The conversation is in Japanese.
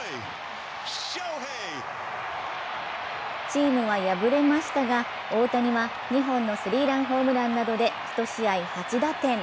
チームは敗れましたが、大谷は２本のスリーランホームランなどで１試合８打点。